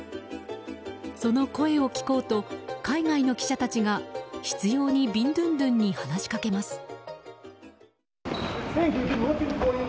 その声を聞こうと海外の記者たちが執拗にビンドゥンドゥンに話しかけます。